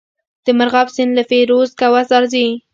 د مرغاب سیند له فیروز کوه راځي